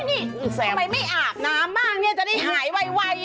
นี่ทำไมไม่อาบน้ำบ้างจะได้หายไวได้